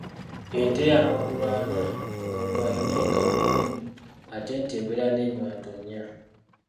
Ente y'amagulu ana, omuntu alina engalo kkumi ate ente ebeera n'ennywanto nnya.